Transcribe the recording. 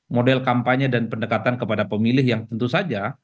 model kampanye dan pendekatan kepada pemilih yang tentu saja